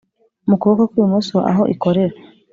Mu kuboko kw’ ibumoso aho ikorera